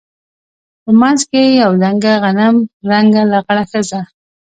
په منځ کښې يوه دنګه غنم رنګه لغړه ښځه.